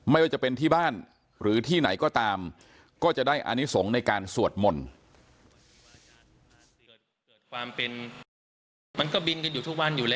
ไม่ว่าจะเป็นที่บ้านหรือที่ไหนก็ตามก็จะได้อานิสงฆ์ในการสวดมนต์